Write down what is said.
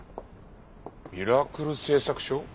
「ミラクル製作所」？